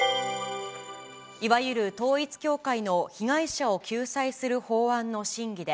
いわゆる統一教会の被害者を救済する法案の審議で、